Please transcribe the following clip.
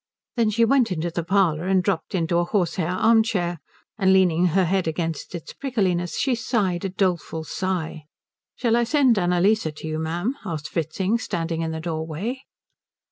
Then she went into the parlour and dropped into a horsehair armchair, and leaning her head against its prickliness she sighed a doleful sigh. "Shall I send Annalise to you, ma'am?" asked Fritzing, standing in the doorway.